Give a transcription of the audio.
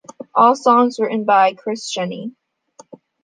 All songs written by Chris Cheney.